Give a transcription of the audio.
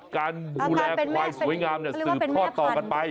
การดูแลควายสวยงามสืบทอดต่อกันไป